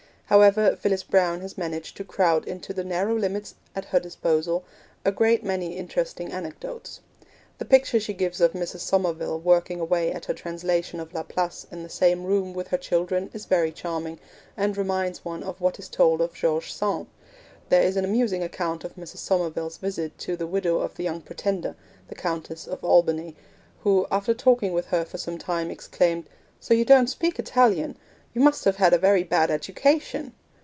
However, Phyllis Browne has managed to crowd into the narrow limits at her disposal a great many interesting anecdotes. The picture she gives of Mrs. Somerville working away at her translation of Laplace in the same room with her children is very charming, and reminds one of what is told of George Sand; there is an amusing account of Mrs. Somerville's visit to the widow of the young Pretender, the Countess of Albany, who, after talking with her for some time, exclaimed, 'So you don't speak Italian. You must have had a very bad education'!